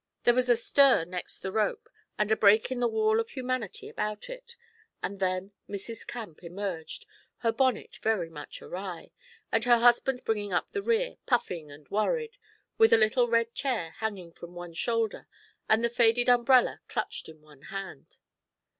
There was a stir next the rope and a break in the wall of humanity about it, and then Mrs. Camp emerged, her bonnet very much awry, and her husband bringing up the rear, puffing and worried, with a little red chair hanging from one shoulder and the faded umbrella clutched in one hand.